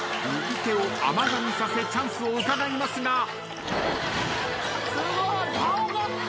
右手を甘がみさせチャンスをうかがいますが。